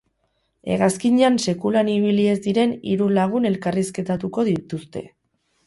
Hegazkinean sekulan ibili ez diren hiru lagun elkarrizketatuko dituzte.